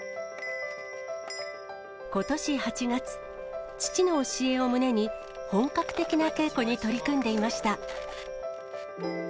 ことし８月、父の教えを胸に、本格的な稽古に取り組んでいました。